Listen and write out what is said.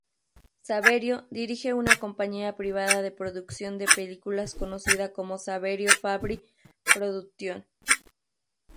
Saverio dirige una compañía privada de producción de películas conocida como Saverio Fabbri Productions.